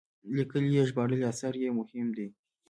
لیکلي یا ژباړلي اثار یې مهم دي.